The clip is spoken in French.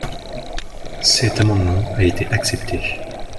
Cet amendement a été accepté.